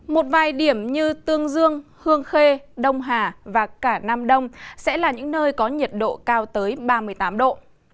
một vài điểm như tương dương hương khê đông hà và cả nam đông sẽ là những nơi có nhiệt độ cao tới ba mươi tám độ